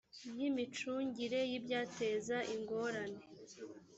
y imicungire y ibyateza ingorane